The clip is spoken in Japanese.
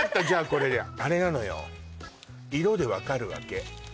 これあれなのよ色で分かるわけ